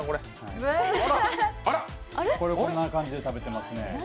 こんな感じで食べてますね。